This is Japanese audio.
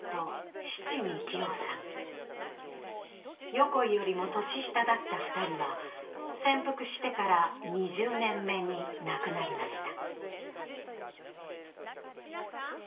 横井よりも年下だった２人は潜伏してから２０年目に亡くなりました。